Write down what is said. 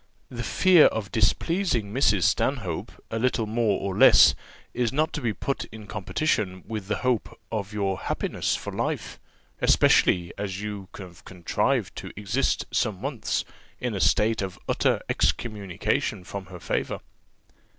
The fear of displeasing Mrs. Stanhope a little more or less is not to be put in competition with the hope of your happiness for life, especially as you have contrived to exist some months in a state of utter excommunication from her favour.